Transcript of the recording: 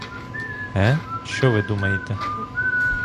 Ге, що ви думаєте?